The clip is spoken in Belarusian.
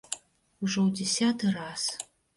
Ужо ў дзясяты раз.